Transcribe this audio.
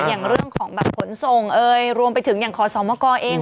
อย่างเรื่องของผลส่งรวมไปถึงอย่างคอสมกรเอง